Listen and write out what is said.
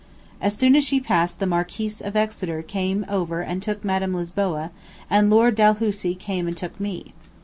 As soon as she passed the Marquis of Exeter came over and took Madam Lisboa, and Lord Dalhousie came and took me.